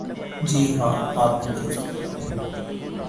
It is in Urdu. جی ہاں، آپ نے درست کہا۔